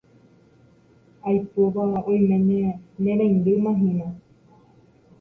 Aipóva oiméne ne reindymahína.